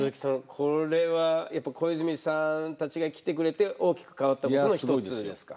これはやっぱ小泉さんたちが来てくれて大きく変わったことの一つですか？